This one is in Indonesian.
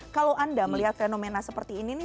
kalau anda melihat fenomena seperti ini